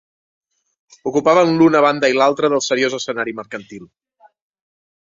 Ocupaven l'una banda i l'altra del seriós escenari mercantil